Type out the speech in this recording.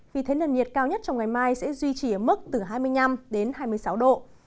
vì thế nền nhiệt cao nhất trong ngày mai sẽ duy trì ở mức từ hai mươi năm đến hai mươi sáu độ